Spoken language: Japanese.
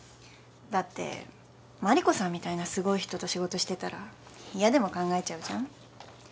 だって万里子さんみたいなすごい人と仕事してたら嫌でも考えちゃうじゃん。